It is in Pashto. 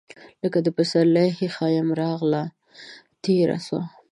لکه د پسرلي هیښمه راغله، تیره سوه